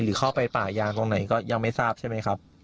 หรือเข้าไปป่ายางตรงไหนก็ยังไม่ทราบใช่ไหมครับ